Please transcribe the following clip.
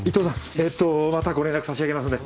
えっとまたご連絡差し上げますんで。